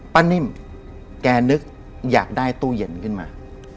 นิ่มแกนึกอยากได้ตู้เย็นขึ้นมา